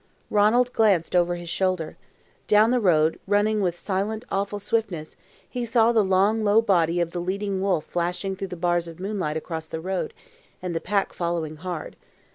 Ranald glanced over his shoulder. Down the road, running with silent, awful swiftness, he saw the long, low body of the leading wolf flashing through the bars of moonlight across the road, and the pack following hard.